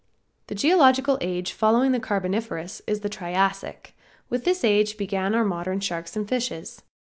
The geological age following the Carboniferous is the Triassic. With this age began our modern sharks and fishes.